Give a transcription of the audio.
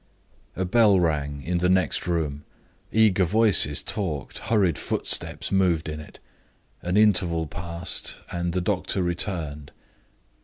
A bell rang in the next room eager voices talked; hurried footsteps moved in it an interval passed, and the doctor returned.